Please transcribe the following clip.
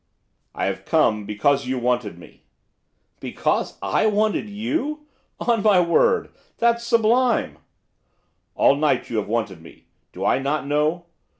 'I have come because you wanted me.' 'Because I wanted you! On my word! That's sublime!' 'All night you have wanted me, do I not know?